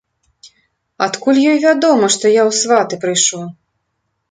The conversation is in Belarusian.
Адкуль ёй вядома, што я ў сваты прыйшоў?